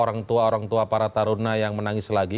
orang tua orang tua para taruna yang menangis lagi